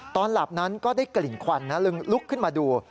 ตอนหลับนั้นก็ได้กลิ่นควันนะลุกขึ้นมาดู